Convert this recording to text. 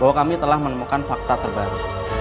bahwa kami telah menemukan fakta terbaru